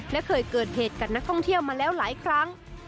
และเคยเกิดเหตุกับนักท่องเที่ยวมาแล้วหลายครั้ง